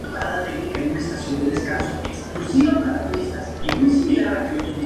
Varios países se han comprometido a la emisión.